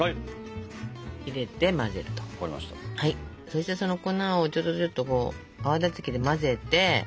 そしてその粉をちょちょちょっとこう泡立て器で混ぜて。